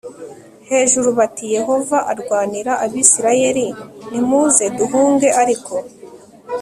hejuru bati Yehova arwanira Abisirayeli Nimuze duhunge Ariko